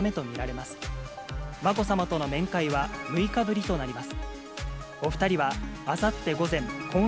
まこさまとの面会は６日ぶりとなります。